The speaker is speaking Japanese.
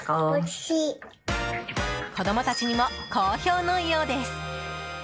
子供たちにも好評のようです。